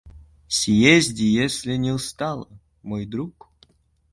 Съезди, если не устала, мой друг.